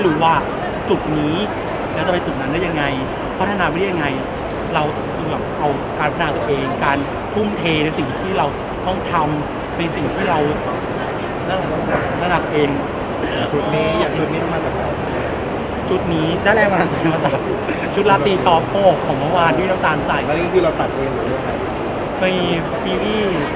คุณโชว์น้องเป็นตัวแทนที่ถ่ายคุณโชว์น้องเป็นตัวแทนที่ถ่ายคุณโชว์น้องเป็นตัวแทนที่ถ่ายคุณโชว์น้องเป็นตัวแทนที่ถ่ายคุณโชว์น้องเป็นตัวแทนที่ถ่ายคุณโชว์น้องเป็นตัวแทนที่ถ่ายคุณโชว์น้องเป็นตัวแทนที่ถ่ายคุณโชว์น้องเป็นตัวแทนที่ถ่ายคุณโชว์น้องเป็นตัวแทนที่